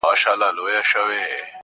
o غوږ سه ورته.